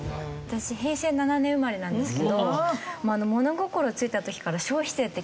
私平成７年生まれなんですけど物心ついた時から。